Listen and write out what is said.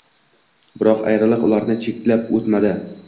Biroq ayriliq ularni cheklab o`tmadi